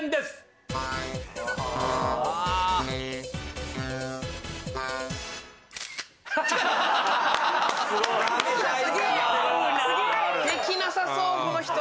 すごい！